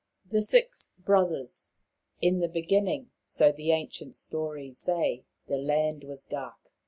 THE SIX BROTHERS In the beginning, so the ancient stories say the land was dark.